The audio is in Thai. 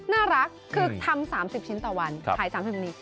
น่ารักคือทำ๓๐ชิ้นต่อวันขาย๓๐ชิ้นต่อวันนี้